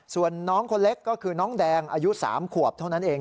ส่วนน้องคนเล็กก็คือน้องแดงอายุ๓ขวบเท่านั้นเอง